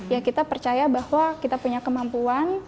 ya kita percaya bahwa kita punya kemampuan